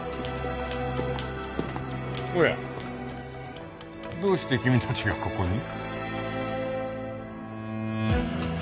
おやどうして君達がここに？